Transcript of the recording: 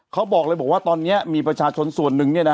เขาบอกเลยบอกว่าตอนนี้มีประชาชนส่วนหนึ่ง